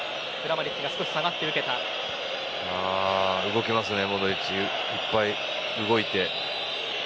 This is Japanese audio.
動けますね、モドリッチいっぱい動いて。